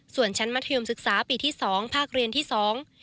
ส่วนชั้นมัธยมศึกษาปีที่สองภาคเรียนที่สอง